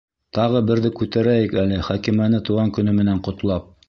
Тағы берҙе күтәрәйек әле Хәкимәне тыуған көнө менән ҡотлап!